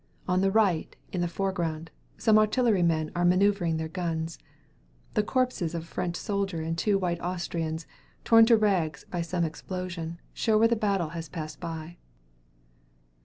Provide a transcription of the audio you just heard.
On the right, in the foreground, some artillery men are manoeuvring their guns. The corpses of a French soldier and two white Austrians, torn to rags by some explosion, show where the battle had passed by."